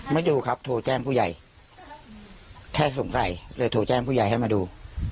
ดูครับโทรแจ้งผู้ใหญ่แค่สงสัยเลยโทรแจ้งผู้ใหญ่ให้มาดู